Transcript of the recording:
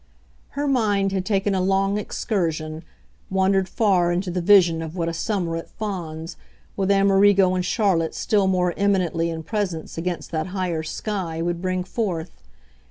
Her mind had taken a long excursion, wandered far into the vision of what a summer at Fawns, with Amerigo and Charlotte still more eminently in presence against that higher sky, would bring forth.